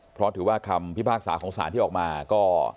เพราะถือว่าคำพิพากษาของสารที่ออกมาก็